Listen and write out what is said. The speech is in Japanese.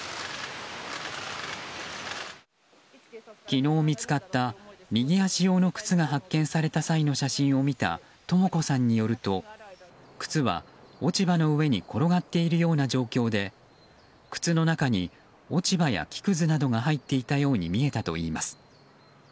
昨日見つかった右足用の靴が発見された際の写真を見た、とも子さんによると靴は、落ち葉の上に転がっているような状況で靴の中に落ち葉や木くずなどが入っていたように見えたといいます。